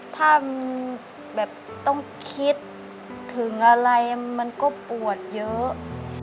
ถ้ามันแบบต้องคิดถึงอะไรมันก็ปวดเยอะ